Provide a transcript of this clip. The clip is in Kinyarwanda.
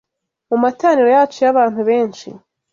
Mu materaniro yacu y’abantu benshi